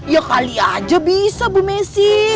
ya kali aja bisa bu messi